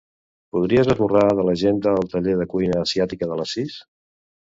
Podries esborrar de l'agenda el taller de cuina asiàtica de les sis?